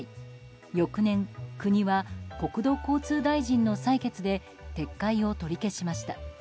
翌年、国は国土交通大臣の裁決で撤回を取り消しました。